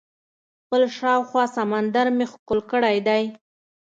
خپل شاوخوا سمندر مې ښکل کړی دئ.